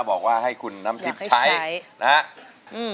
บอกว่าให้คุณน้ำทิพย์ใช้